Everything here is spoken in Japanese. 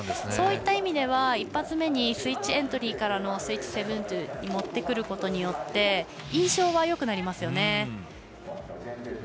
そういった意味では、一発目にスイッチエントリーからのスイッチ７２０に持ってくることで印象はよくなりますよね。